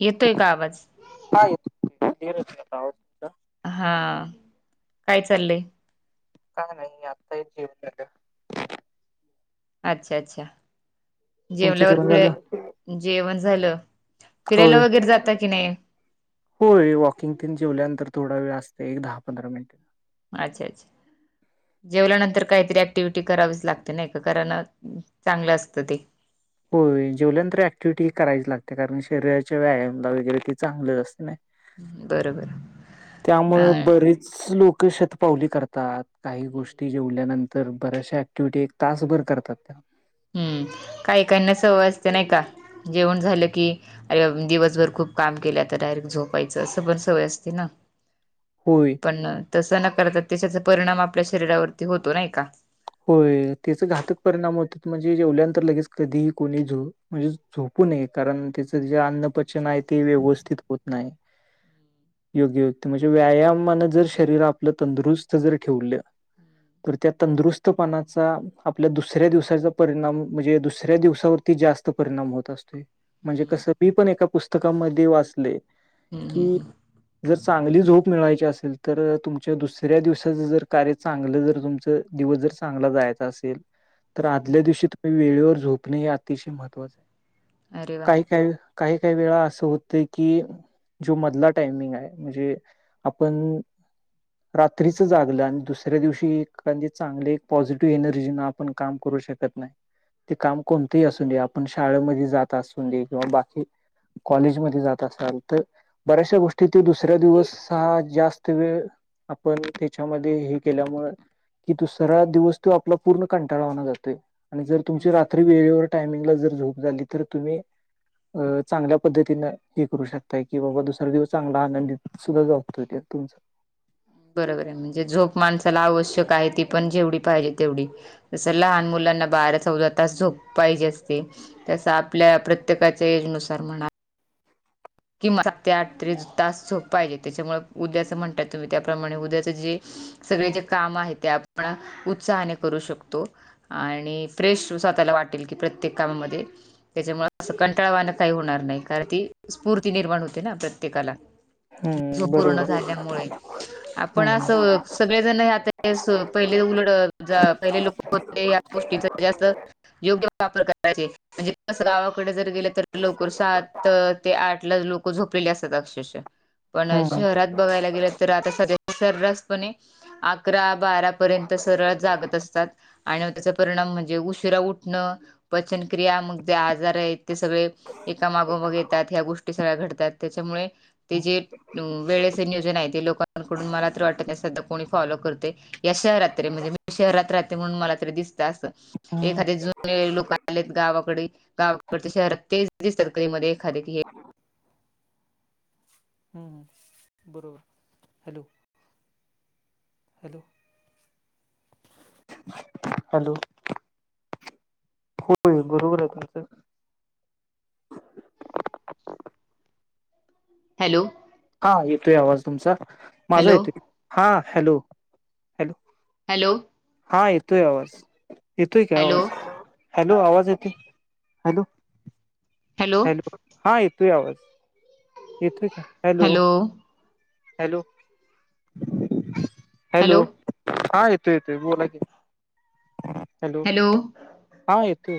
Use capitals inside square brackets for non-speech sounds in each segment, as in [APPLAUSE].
येतोय का आवाज. हाेत. हा काय चाललंय? [UNINTELLIGIBLE] अच्छा, अच्छा, तुमचं जेवल्यावर जेवण झालं? फिर जेवण झालं. फिरायला होय [INAUDIBLE] वगैरे जाता की नाही? होय, वॉकिंग तीन जेवल्यानंतर थोडा वेळ असतंय, एक दहा पंधरा मिनिटे. अच्छा अच्छा. जेवल्यानंतर काईतरी ऍक्टिव्हटी करावीच लागते नाई का कारण चांगलं असतं ते. होय जेवल्यानंतर ऍक्टिव्हिटी ही करावीच लागते कारण शरीराच्या व्यायामला वगैरे ते चांगलं असते नाई. बरोबर. अ त्यामुळ बरेच. लोक शतपावली करतात, काही गोष्टी जेवल्यानंतर बऱ्याचशा ॲक्टिव्हटी. तासभर करतात त्या. हम्म, काई काईंना सवय असते नाई का, जेवण झालं की. अरे, दिवसभर खूप काम केलं तर डायरेक्ट झोपायचं, असं पण सवय असते ना. होय. पण तसं न करतात त्या त्याचा परिणाम आपल्या शरीरावरती होतो नाही का. होय त्याच घातक परिणाम होत म्हणजे जेवल्यानंतर लगेच कधीही कोणी झो. म्हणजे झोपू नये, कारण त्याचं जे अन्नपचनाय ते व्यवस्थित होत नाय. [UNINTELLIGIBLE] म्हणजे व्यायामानं जर शरीर आपलं तंदुरुस्त जर ठिवलं. त्या तंदुरुस्तपणाचा आपल्या दुसऱ्या दिवसाचा परिणाम म्हणजे दुसऱ्या दिवसावरती जास्त परिणाम होत अस्तूय. म्हणजे हम्म कसं मी पण एका पुस्तकामधी वाचलंय. हम् हम् हम. जर चांगली झोप मिळायची असेल, तर तुमच्या दुसऱ्या दिवसाच जर कार्य... चागलं जर तुमचं दिवस जर चांगला जायचा असेल तर आदल्या दिवशी तुम्ही वेळेवर झोपणे हे अतिशय महत्वाचं अरे वा काही काही काही वेळा असं हुतय की. जो मधला टायमिंगाय, म्हणजे आपण रात्रीचं जागलं, आण दुसऱ्या दिवशी एखांदी चांगली पॉझिटिव्ह एनर्जीन आपण काम करू शकत नाय. ते काम कोणतंही असू दे आपण शाळमध्ये जात असू दे किंवा बाकी कॉलेजमध्ये जात असाल तर बऱ्याचशा गोष्टी ते दुसऱ्या दिवस हा जास्त वेळ आपण त्याच्यामध्ये हे केल्यामुळ की दुसरा दिवस तो आपला पूर्ण कंटाळवाना जातोय. आणि जर तुमची रात्री वेळेवर टायमिंगला जर झोप झाली तर तुम्ही अ चांगल्या पद्धतीनं. हे करू शकताय की बाबा, दुसरा दिवस चांगला आनंदित सुद्धा जातोय त्यो तुमचा बरोबराय, म्हणजे झोप माणसाला आवश्यक आहे ती पण जेवढी पाहिजे तेवढी जसं लहान मुलांना बारा चौदा तास झोप पाहिजे असते. [UNINTELLIGIBLE] आपल्या प्रत्येकाच्या एज नुसार म्हणा. किंवा सात ते आठ तरी तास झोप पाहिजे तच्यामुळं उद्याचं म्हणतात तुम्ही त्याप्रमाणे उद्याचं जे सगळे जे काम आहे ते आपण उत्साहाने करू शकतो. आणि फ्रेश स्वतःला वाटेल की, प्रत्येक कामामध्ये... ‌. तच्यामुळ असं कंटाळावाणं काही हुणार नाही कारण ती स्फूर्ती निर्माण होते ना प्रत्येकाला झोप हम्म पूर्ण बरोबर झाल्यामुळे आपण हम्म. असं सगळे जण ह्यात असं पहिले उलड पहिले लोक होते या गोष्टीच जास्त- योग्य वापर करायचे म्हणजे कसं गाव, कडे जर गेलं तर लवकर सात ते आठ ला लोक झोपलेले असतात अक्षरक्षा. पण हम्म शहरात बघायला गेलं तर आता सध्याचा सर्रासपणे, अकरा बारा पर्यंत सरळ जागत असतात आणि आम्ह- परिणाम म्हणजे उशिरा उठणं पचनक्रिया मग जे आजार आहेत. ते सगळे एका मागोमाग येतात ह्या गोष्टी, ह्या घडतात, त्याच्यामुळे हे जे वळेचे नियोजन आहे ते- कडून मला तर वाटत नाही सध्या कोणी फॉलो करते. या शहरात तरी, म्हणजे मी शहरात राहते म्हणून मला तरी दिसतं. असं- हम्म. एखादे जुने व लोक आलेत गावाकडे गावाकडे शहरात तेच [UNINTELLIGIBLE] खरेदी हे हम बरोबर हॅलो [INAUDIBLE] हॅलो! हॅलो! होय बोल! च [UNINTELLIGIBLE] हॅलो! हा येतोय आवाज तुमचा. माझा हॅलो येतोय हा हॅलो हॅलो! हॅलो! हा येतोय आवाज येतोय की हॅलो आवाज. हॅलो आवाज येतोय. हॅलो हा येतोय आवाज, येतोय का हॅलो! हॅलो! हॅलो! हा येतोय येतोय बोला की हॅलो. हा येतोय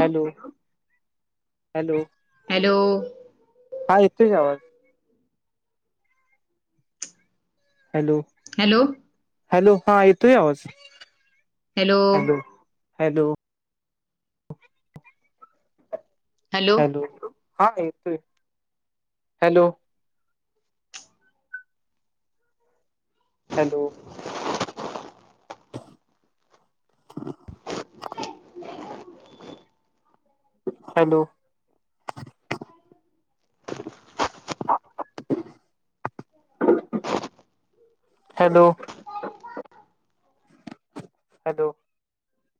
हॅलो. हॅलो! हॅलो! हा येतोय की आवाज. हॅलो! हॅलो! हॅलो हा येतोय आवाज हॅलो हॅलो. हॅलो हा येतोय hello. Hello! [INAUDIBLE] Hello! Hello! Hello!